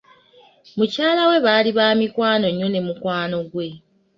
Mukyala we baali ba mikwano nnyo ne mukwano gwe.